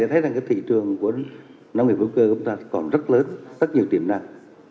thấy rằng cái thị trường của nông nghiệp hữu cơ của chúng ta còn rất lớn rất nhiều tiềm năng